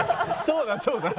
そうだそうだ。